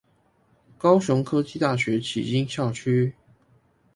高雄科技大學旗津校區